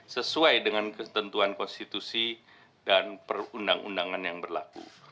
sesuai dengan ketentuan konstitusi dan perundang undangan yang berlaku